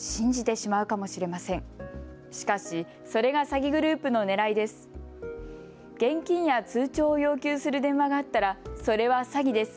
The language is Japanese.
しかし、それが詐欺グループのねらいです。